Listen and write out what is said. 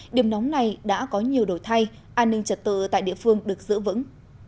điểm nóng này đã có nhiều đổi thay an ninh trật tự tại địa phương được giữ vững